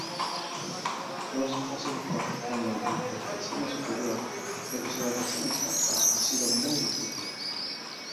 Los fósiles corresponden al Pleistoceno superior, pero su datación exacta ha sido muy discutida.